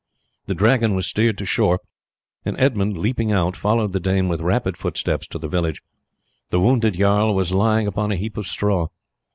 The Dragon was steered to shore, and Edmund leaping out followed the Dane with rapid footsteps to the village. The wounded jarl was lying upon a heap of straw.